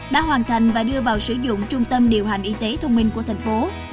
đã hoàn thành và đưa vào sử dụng trung tâm điều hành y tế thông minh của thành phố